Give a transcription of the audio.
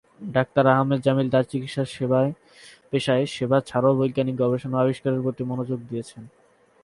Doctor Ahmad Jamil তার চিকিৎসাপেশায় সেবা ছাড়াও বৈজ্ঞানিক গবেষণা ও আবিষ্কারের প্রতিও মনোযোগ দিয়েছেন।